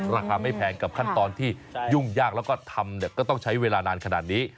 ราคาไม่แพงกับขั้นตอนที่ยุ่งยากแล้วก็ทำเนี่ยก็ต้องใช้เวลานานขนาดนี้